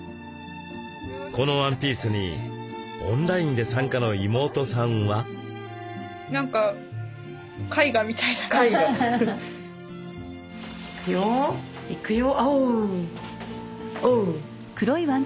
このワンピースにオンラインで参加の妹さんは？いくよ。